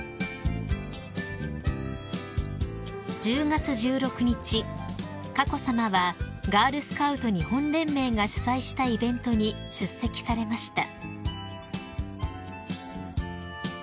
［１０月１６日佳子さまはガールスカウト日本連盟が主催したイベントに出席されました］